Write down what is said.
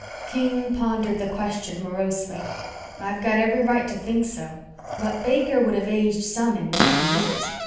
King pondered the question morosely. "I've got every right to think so. But Baker would have aged some in ten years.